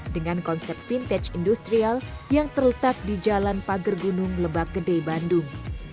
dengan konsep vintage industrial yang terletak di jalan pager gunung lebak gede bandung